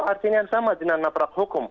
artinya sama dengan naprak hukum